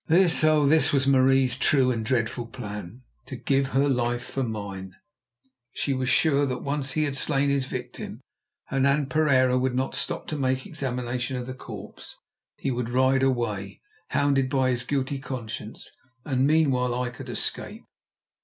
This, oh! this was Marie's true and dreadful plan—to give her life for mine! She was sure that once he had slain his victim, Hernan Pereira would not stop to make examination of the corpse. He would ride away, hounded by his guilty conscience, and meanwhile I could escape.